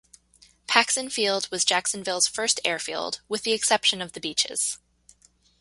Paxon Field was Jacksonville's first airfield, with the exception of the beaches.